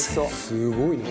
「すごいな」